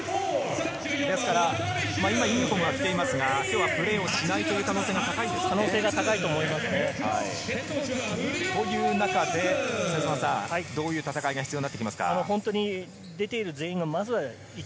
ですから、今、ユニホームは着ていますが、今日はプレーしない可能性が高いでしょうかねという中で、どういう戦いが必要になりますか？